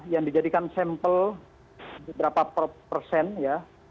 yang dijadikan sampel beberapa persen ya